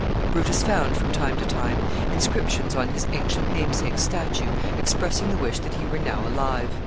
Brutus found, from time to time, inscriptions on his ancient namesake's statue expressing the wish that he were now alive.